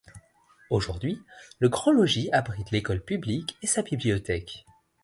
Aujourd'hui le Grand Logis abrite l'école publique et sa bibliothèque.